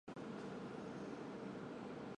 之后王瑜升为辽海卫千户。